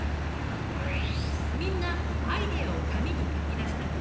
みんなアイデアを紙に書き出した。